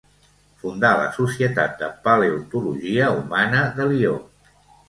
Fundà la Societat de paleontologia Humana de Lió.